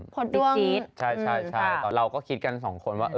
พลดดดวงใช่เราก็คิดกันสองคนว่า